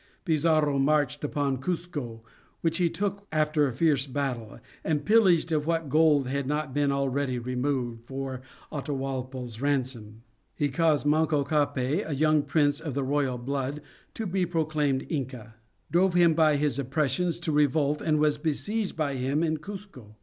Pizarro marched upon Cuzco, which he took after a fierce battle, and pillaged of what gold had not been already removed for Atahualpa's ransom. He caused Manco Capae, a young prince of the royal blood, to be proclaimed Inca; drove him by his oppressions to revolt; and was besieged by him in Cuzco.